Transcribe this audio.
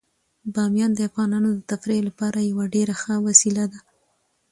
بامیان د افغانانو د تفریح لپاره یوه ډیره ښه وسیله ده.